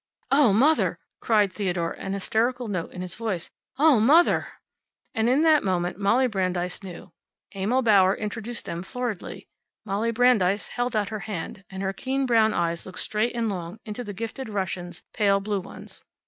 "Oh, Mother!" cried Theodore, an hysterical note in his voice. "Oh, Mother!" And in that moment Molly Brandeis knew. Emil Bauer introduced them, floridly. Molly Brandeis held out her hand, and her keen brown eyes looked straight and long into the gifted Russian's pale blue ones.